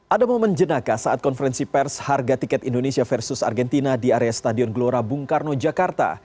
ada momen jenaka saat konferensi pers harga tiket indonesia versus argentina di area stadion gelora bung karno jakarta